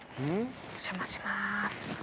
お邪魔します。